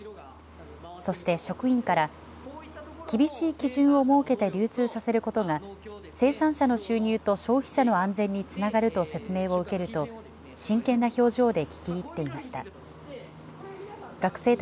そして職員から厳しい基準を設けて流通させることが生産者の収入と消費者の安全につながると説明を受けると真剣な表情で聞き入っていました。